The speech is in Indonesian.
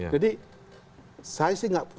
jadi saya sih nggak